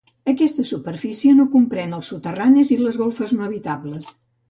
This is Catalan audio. Aquesta superfície no comprèn els soterranis i les golfes no habitables.